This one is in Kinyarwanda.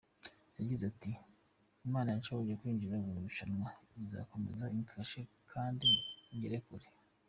Yagize ati, “Imana yanshoboje kwinjira mu irushanwa izakomeza imfashe kandi ngere kure.